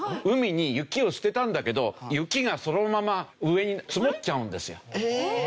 海に雪を捨てたんだけど雪がそのまま上に積もっちゃうんですよ。